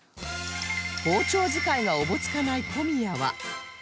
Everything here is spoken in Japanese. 包丁遣いがおぼつかない小宮は